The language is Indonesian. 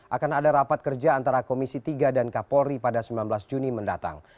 akan ada rapat kerja antara komisi tiga dan kapolri pada sembilan belas juni mendatang